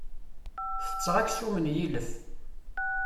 Tetteɣ aksum n yilef.